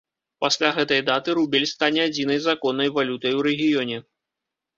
Пасля гэтай даты рубель стане адзінай законнай валютай у рэгіёне.